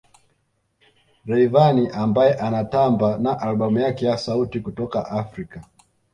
Rayvanny ambaye anatamba na albamu yake ya sauti kutoka Afrika